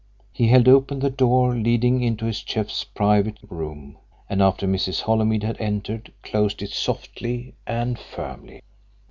He held open the door leading into his chief's private room, and after Mrs. Holymead had entered closed it softly and firmly.